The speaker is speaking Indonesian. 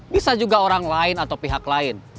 bisa juga orang lain atau pihak lain